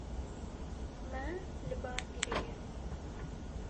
Me li ba kiriye.